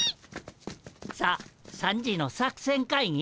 さ３時の作戦会議？